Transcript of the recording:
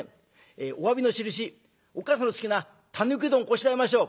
えおわびのしるしおっ母さんの好きなたぬきうどんをこしらえましょう」。